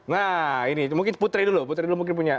nah ini mungkin putri dulu putri dulu mungkin punya